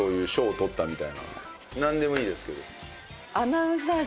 なんでもいいですけど。